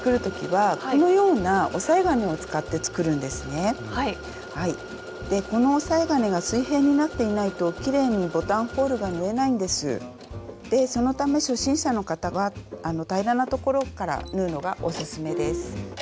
そのため初心者の方は平らなところから縫うのがオススメです。